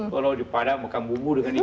kalau di padang makan bumbu dengan itu